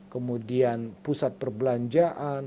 kemudian pusat perbelanjaan